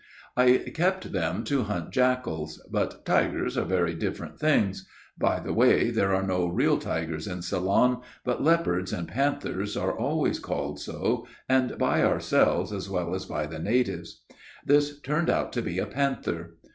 I kept them to hunt jackals; but tigers are very different things: by the way, there are no real tigers in Ceylon; but leopards and panthers are always called so, and by ourselves as well as by the natives. This turned out to be a panther.